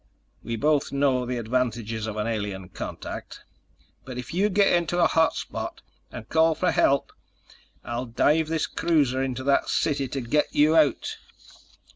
We both know the advantages of an alien contact. But if you get into a hot spot, and call for help, I'll dive this cruiser into that city to get you out!"